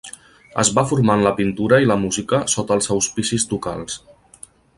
Es va formar en la pintura i la música sota els auspicis ducals.